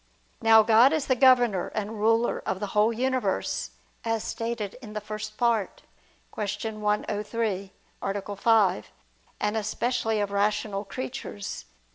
Now God is the governor and ruler of the whole universe, as stated in the First Part (Q. 103, A. 5): and especially of rational creatures.